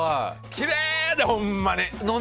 きれいやでほんまに！